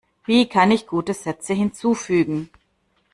Wie kann ich gute Sätze hinzufügen?